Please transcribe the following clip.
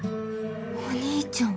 お兄ちゃん。